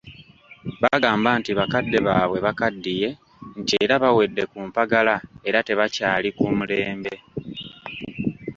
Bagamba nti bakadde baabwe bakaddiye nti era bawedde ku mpagala era tebakyali ku mulembe.